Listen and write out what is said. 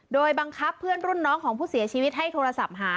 โดยบังคับเพื่อนรุ่นน้องของผู้เสียชีวิตให้โทรศัพท์หา